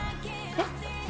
えっ？